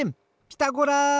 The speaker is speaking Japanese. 「ピタゴラ」！